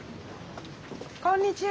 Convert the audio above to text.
こんにちは。